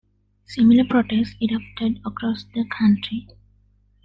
Similar protests erupted across the country.